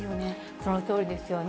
そのとおりですよね。